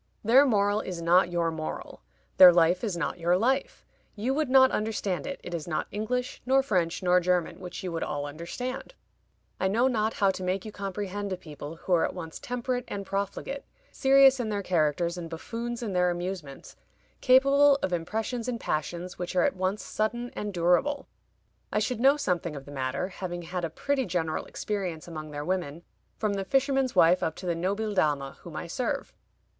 Their moral is not your moral; their life is not your life; you would not understand it; it is not English, nor French, nor German, which you would all understand. I know not how to make you comprehend a people who are at once temperate and profligate, serious in their characters and buffoons in their amusements, capable of impressions and passions which are at once sudden and durable. I should know something of the matter, having had a pretty general experience among their women, from the fisherman's wife up to the Nobil Dama whom I serve.